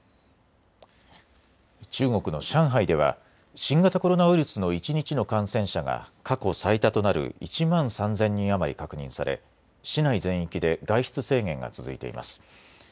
中国の上海では新型コロナウイルスの一日の感染者が過去最多となる１万３０００人余り確認され、市内全域で外出制限が続いています。